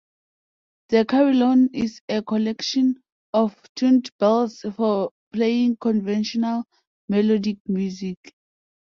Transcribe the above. The carillon is a collection of tuned bells for playing conventional melodic music.